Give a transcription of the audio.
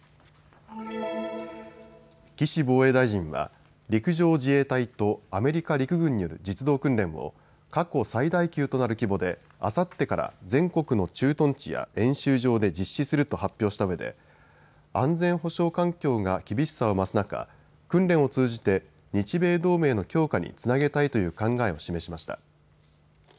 岸防衛大臣は陸上自衛隊とアメリカ陸軍による実動訓練を過去最大級となる規模であさってから全国の駐屯地や演習場で実施すると発表したうえで安全保障環境が厳しさを増す中、訓練を通じて日米同盟の強化につなげたいという考えを示しました。